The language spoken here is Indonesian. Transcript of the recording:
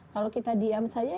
kalau kita diam saja